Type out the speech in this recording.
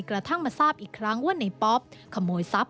กระทั่งมาทราบอีกครั้งว่านายป๊อป